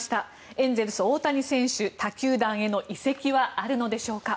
エンゼルス、大谷選手他球団への移籍はあるのでしょうか。